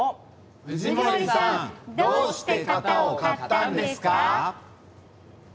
藤森さんどうして型を買ったんですか？